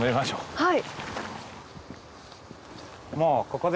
はい。